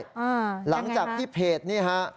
อืมยังไงครับหลังจากที่เพจนี่ฮะ